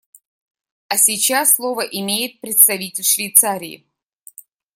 А сейчас слово имеет представитель Швейцарии.